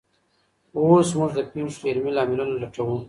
اوس موږ د پیښو علمي لاملونه لټوو.